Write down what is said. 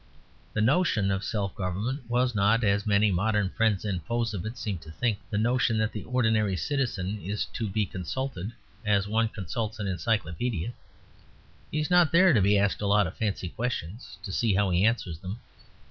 The notion of self government was not (as many modern friends and foes of it seem to think) the notion that the ordinary citizen is to be consulted as one consults an Encyclopaedia. He is not there to be asked a lot of fancy questions, to see how he answers them.